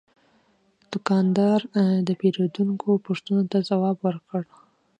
دوکاندار د پیرودونکي پوښتنو ته ځواب ورکړ.